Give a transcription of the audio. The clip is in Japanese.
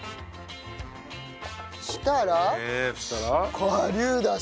そしたら顆粒ダシ。